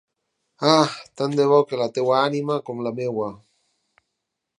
Ah! Tant-de-bo que la teua ànima, com la meua...